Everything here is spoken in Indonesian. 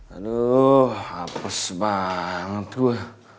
aduh hapus banget gue